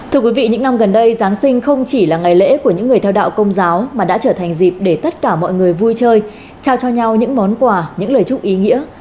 thưa quý vị những năm gần đây giáng sinh không chỉ là ngày lễ của những người theo đạo công giáo mà đã trở thành dịp để tất cả mọi người vui chơi trao cho nhau những món quà những lời chúc ý nghĩa